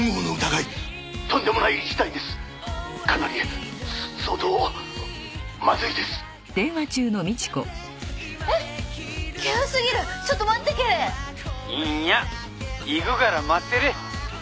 いんや行くから待ってれ。